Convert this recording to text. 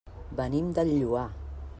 Venim del Lloar.